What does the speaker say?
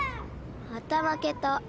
またまけた。